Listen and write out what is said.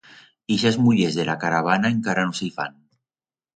Ixas mullers de la caravana encara no se i fan.